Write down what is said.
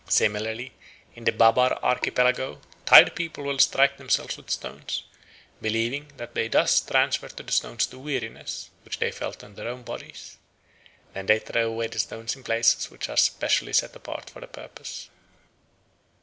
Similarly in the Babar Archipelago tired people will strike themselves with stones, believing that they thus transfer to the stones the weariness which they felt in their own bodies. They then throw away the stones in places which are specially set apart for the purpose.